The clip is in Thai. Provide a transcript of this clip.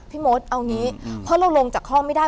มดเอางี้เพราะเราลงจากห้องไม่ได้